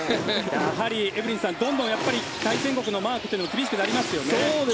やはりエブリンさんどんどん対戦国のマークは厳しくなりますね。